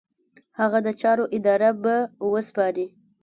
هغه د چارو اداره به وسپاري.